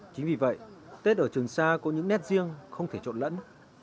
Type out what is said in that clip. chính vì vậy tết ở trường sa có những nét riêng không thể trộn lẫn